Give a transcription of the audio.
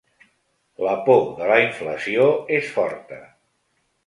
La por de la inflació és forta.